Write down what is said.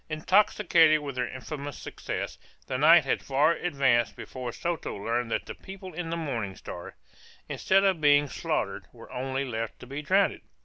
Intoxicated with their infamous success, the night had far advanced before Soto learned that the people in the Morning Star, instead of being slaughtered, were only left to be drowned.